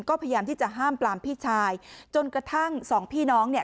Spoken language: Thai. ก็พยายามที่จะห้ามปลามพี่ชายจนกระทั่งสองพี่น้องเนี่ย